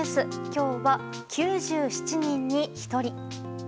今日は９７人に１人。